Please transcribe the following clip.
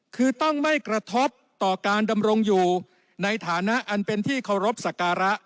คือต้องไม่กระทบต่อการดำรงอยู่ในฐานะอันเป็นที่เคารพสักการะ